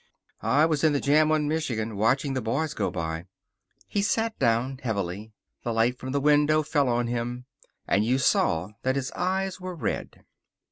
"I was in the jam on Michigan, watching the boys go by." He sat down, heavily. The light from the window fell on him. And you saw that his eyes were red.